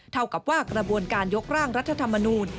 เท่ากับว่ากระบวนการยกร่างรัฐธรรมนูล